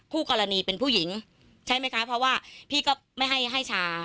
คู่กรณีเป็นผู้หญิงใช่ไหมคะเพราะว่าพี่ก็ไม่ให้ให้ชา